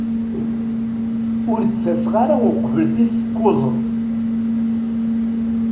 Ur d-ttaseɣ ara uqbel tis kuẓet.